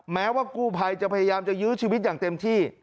แม้ว่ากู้ภัยจะพยายามจะยื้อชีวิตอย่างเต็มที่